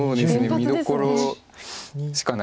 見どころしかないです。